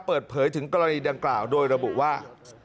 เปิดเผยถึงกรณีดังกล่าวโดยระบุว่า